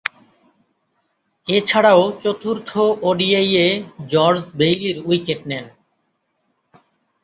এছাড়াও চতুর্থ ওডিআইয়ে George বেইলি’র wicket নেন।